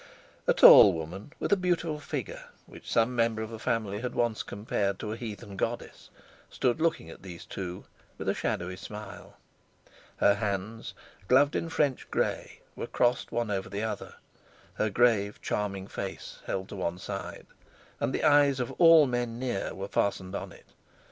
A tall woman, with a beautiful figure, which some member of the family had once compared to a heathen goddess, stood looking at these two with a shadowy smile. Her hands, gloved in French grey, were crossed one over the other, her grave, charming face held to one side, and the eyes of all men near were fastened on it.